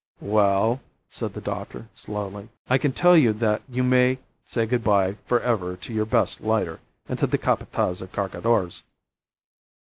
"Well," said the doctor, slowly, "I can tell you that you may say good bye for ever to your best lighter, and to the Capataz of Cargadores."